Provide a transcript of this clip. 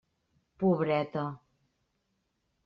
Pobreta!